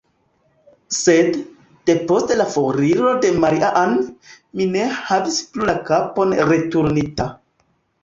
Sed, depost la foriro de Maria-Ann, mi ne havis plu la kapon returnita.